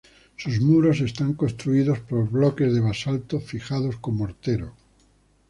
Sus muros están construidos por bloques de basalto fijados con mortero.